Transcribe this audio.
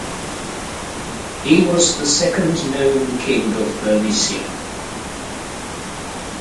He was the second known king of Bernicia.